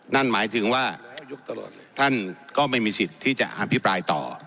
นั่นหมายถึงว่าท่านก็ไม่มีสิทธิ์ที่จะอภิปรายต่อ